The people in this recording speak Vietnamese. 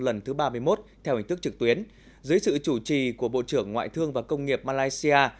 lần thứ ba mươi một theo hình thức trực tuyến dưới sự chủ trì của bộ trưởng ngoại thương và công nghiệp malaysia